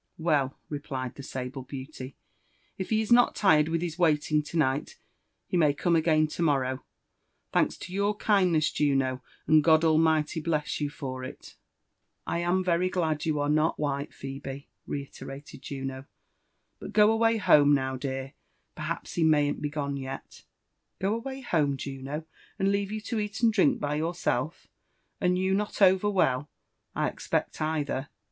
''Weill" replied the sable beauty, 'Mf he is qot tired with his waiting to night, he may come again to morrow — thanks to your kindness, Juno I and God Almighty bless you for it I" " I am very glad you are not white, Phebe," reiterated Juno ; "but go away home now, dear, perhaps he mayn't be gone yet." " Go away home, Juno ? and leave you to eat and drink by your self — and you not over well, I expect, either